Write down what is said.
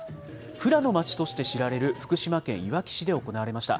フラのまちとして知られる福島県いわき市で行われました。